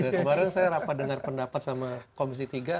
kemarin saya rapat dengan pendapat komisi tiga